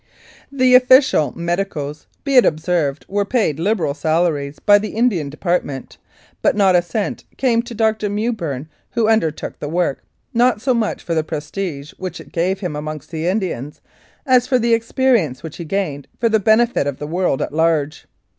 47 Mounted Police Life in Canada The official medicos, be it observed, were paid liberal salaries by the Indian Department, but not a cent came to Dr. Mewburn, who undertook the work, not so much for the prestige which it gave him amongst the Indians, as for the experience which he gained for the benefit of the world at large.